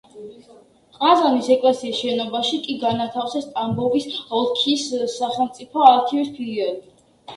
ყაზანის ეკლესიის შენობაში კი განათავსეს ტამბოვის ოლქის სახელმწიფო არქივის ფილიალი.